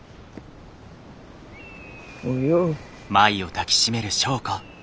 およ。